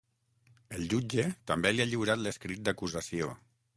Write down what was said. El jutge també li ha lliurat l’escrit d’acusació.